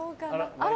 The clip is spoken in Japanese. あら？